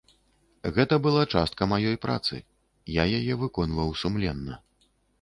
Гэта была частка маёй працы, я яе выконваў сумленна.